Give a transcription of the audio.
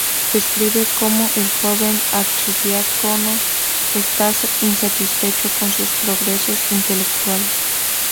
Describe cómo el joven archidiácono está insatisfecho con sus progresos intelectuales.